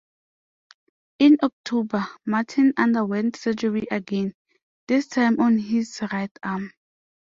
In October, Martin underwent surgery again, this time on his right arm.